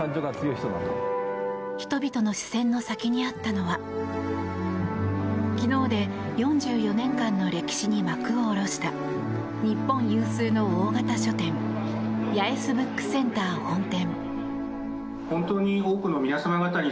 人々の視線の先にあったのは昨日で４４年間の歴史に幕を下ろした日本有数の大型書店八重洲ブックセンター本店。